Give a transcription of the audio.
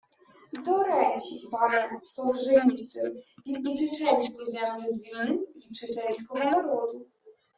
До речі, пане Солженіцин, він і чеченську землю «звільнив» від чеченського народу